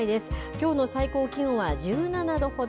きょうの最高気温は１７度ほど。